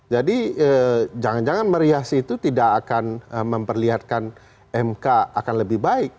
jadi jangan jangan merias itu tidak akan memperlihatkan mk akan lebih baik